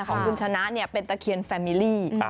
ของคุณชนะเป็นตะเคียนแฟมิลี่